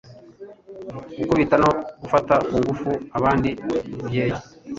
gukubita no gufata ku ngufu Abandi Mubyeyi"